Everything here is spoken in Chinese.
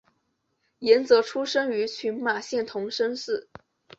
岩泽出生于群马县桐生市。